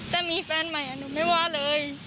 แต่มีแฟนใหม่หนูไม่ว่าเลย